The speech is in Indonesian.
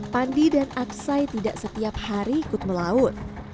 pandi dan aksai tidak setiap hari ikut melaut